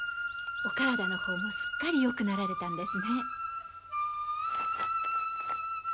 お体の方もすっかりよくなられたのですね。